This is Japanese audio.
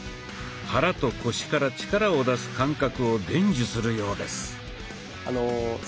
肚と腰から力を出す感覚を伝授するようです。